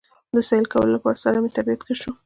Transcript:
د سېل کولو سره مې طبعيت ښه شو